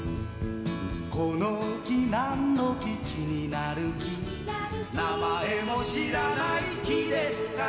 「この木なんの木気になる木」「名前も知らない木ですから」